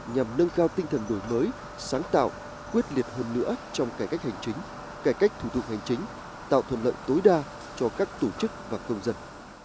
nhằm nâng cao tinh thần đổi mới sáng tạo quyết liệt hơn nữa trong cải cách hành chính cải cách thủ tục hành chính tạo thuận lợi tối đa cho các tổ chức và công dân